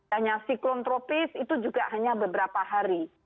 hanya siklon tropis itu juga hanya beberapa hari